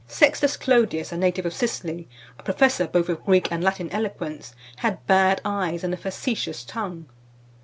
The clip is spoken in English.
V. SEXTUS CLODIUS, a native of Sicily, a professor both of Greek and Latin eloquence, had bad eyes and a facetious tongue.